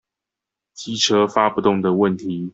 機車發不動的問題